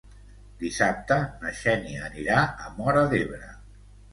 Dissabte na Xènia anirà a Móra d'Ebre.